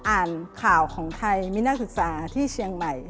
อ่านข่าวของไทยมีนักศึกษาที่เชียงใหม่